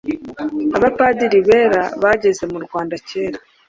Abapadiri bera bageze mu Rwanda kera,